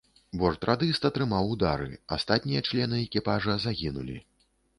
Бортрадыст атрымаў ўдары, астатнія члены экіпажа загінулі.